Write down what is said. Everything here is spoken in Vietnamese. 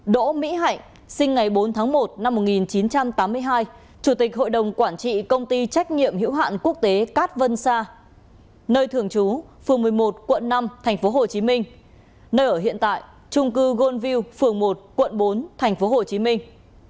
đỗ mỹ hạnh sinh ngày bốn tháng một năm một nghìn chín trăm tám mươi hai chủ tịch hội đồng quản trị công ty trách nhiệm hiểu hạn quốc tế cát vân sa nơi thường trú phường một mươi một quận năm thành phố hồ chí minh nơi ở hiện tại trung cư goldville phường một quận bốn thành phố hồ chí minh